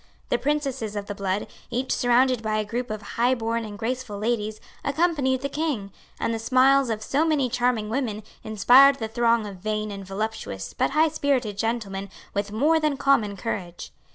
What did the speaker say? The princesses of the blood, each surrounded by a group of highborn and graceful ladies, accompanied the King; and the smiles of so many charming women inspired the throng of vain and voluptuous but highspirited gentlemen with more than common courage.